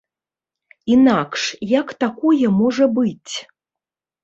Інакш, як такое можа быць?